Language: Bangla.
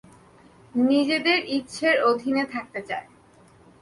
নিজেদের ইচ্ছের অধীনে থাকতে চায়!